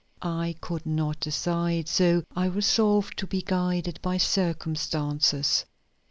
I could not decide, so I resolved to be guided by circumstances.